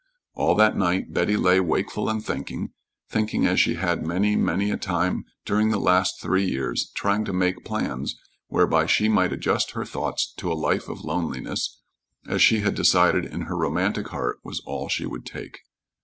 All that night Betty lay wakeful and thinking thinking as she had many, many a time during the last three years, trying to make plans whereby she might adjust her thoughts to a life of loneliness, as she had decided in her romantic heart was all she would take.